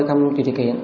không chịu điều kiện